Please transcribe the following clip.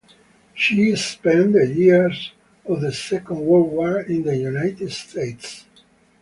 She spent the years of the Second World War in the United States.